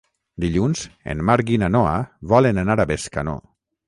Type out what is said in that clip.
Dilluns en Marc i na Noa volen anar a Bescanó.